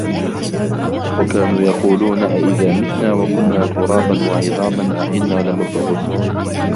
وَكَانُوا يَقُولُونَ أَئِذَا مِتْنَا وَكُنَّا تُرَابًا وَعِظَامًا أَئِنَّا لَمَبْعُوثُونَ